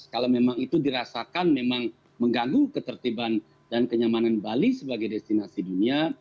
kalau memang itu dirasakan memang mengganggu ketertiban dan kenyamanan bali sebagai destinasi dunia